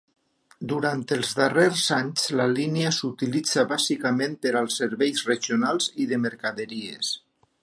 Durant els darrers anys la línia s’utilitza bàsicament per als serveis regionals i de mercaderies.